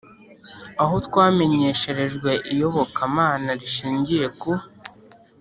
aho twamenyesherejwe iyoboka -mana rishingiye ku